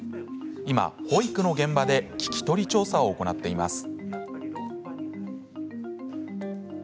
今、保育の現場で聞き取り調査を行っています。